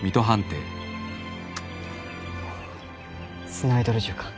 スナイドル銃か。